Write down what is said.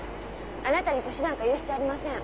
あなたに年なんか言う必要ありません。